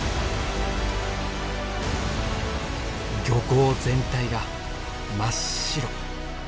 漁港全体が真っ白。